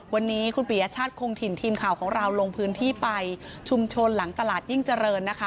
วันนี้คุณปียชาติคงถิ่นทีมข่าวของเราลงพื้นที่ไปชุมชนหลังตลาดยิ่งเจริญนะคะ